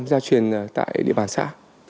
gia truyền tại địa bàn xã